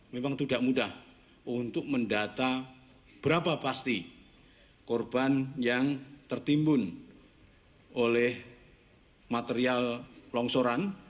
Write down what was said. memang tidak mudah untuk mendata berapa pasti korban yang tertimbun oleh material longsoran